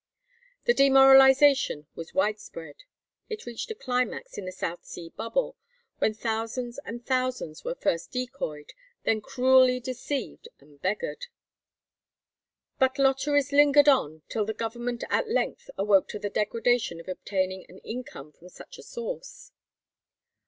The demoralization was widespread. It reached a climax in the South Sea Bubble, when thousands and thousands were first decoyed, then cruelly deceived and beggared. But lotteries lingered on till the Government at length awoke to the degradation of obtaining an income from such a source.